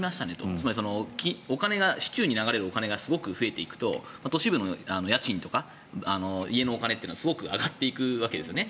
つまり、市中に流れるお金がすごく増えていくと都市部の家賃とか家のお金というのがすごく上がっていくわけですね。